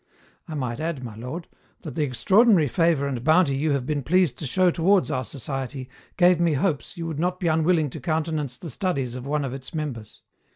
I might add, my lord, that the extraordinary favour and bounty you have been pleased to show towards our Society gave me hopes you would not be unwilling to countenance the studies of one of its members.